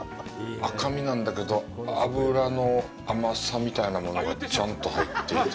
赤身なんだけど、脂の甘さみたいなものがちゃんと入っていて。